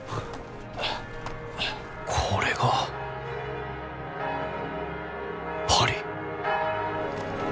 これがパリ！